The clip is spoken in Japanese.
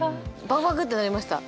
バクバクってなりました。